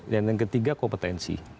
dan yang ketiga kompetensi